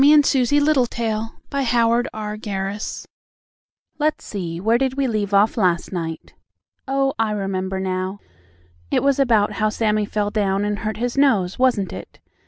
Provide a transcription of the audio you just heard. XXIII SUSIE LITTLETAIL'S HOT CROSS BUNS Let's see, where did we leave off last night? Oh, I remember now, it was about how Sammie fell down and hurt his nose, wasn't it?